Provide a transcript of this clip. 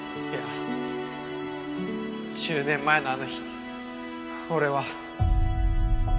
いや１０年前のあの日に俺は。